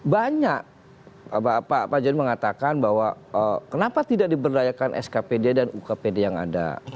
banyak pak joni mengatakan bahwa kenapa tidak diberdayakan skpd dan ukpd yang ada